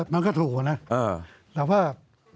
มันก็ถูกนะแต่ว่า